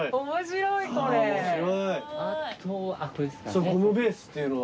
そのゴムベースっていうのは？